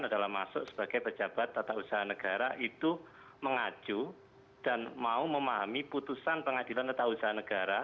adalah masuk sebagai pejabat tata usaha negara itu mengacu dan mau memahami putusan pengadilan tata usaha negara